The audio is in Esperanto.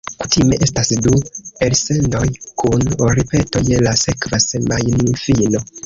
Kutime estas du elsendoj kun ripeto je la sekva semajnfino.